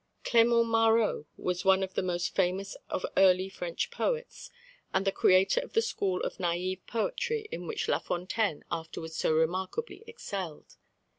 Clement Marot was one of the most famous of early French poets, and the creator of the school of naïve poetry in which La Fontaine afterwards so remarkably excelled.